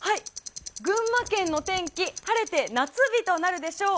群馬県の天気は晴れて夏日となるでしょう。